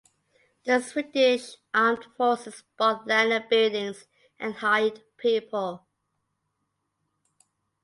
The Swedish Armed Forces bought land and buildings and hired people.